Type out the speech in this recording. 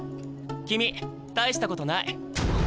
君大したことない。